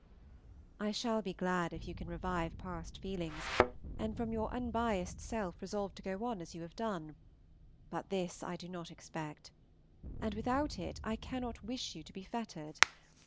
I shall be glad if you can revive past feelings, and from your unbiassed self resolve to go on as you have done, but this I do not expect; and without it I cannot wish you to be fettered.